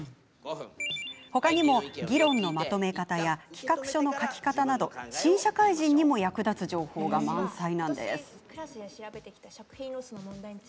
ほかにも、議論のまとめ方や企画書の書き方など新社会人にも役立つ情報が満載なんです。